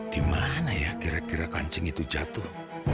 di mana ya kira kira kancing itu jatuh